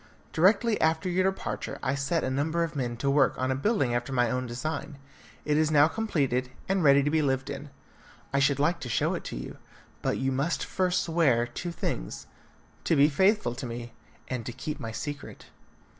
Directly after your departure I set a number of men to work on a building after my own design. It is now completed, and ready to be lived in. I should like to show it to you, but you must first swear two things: to be faithful to me, and to keep my secret."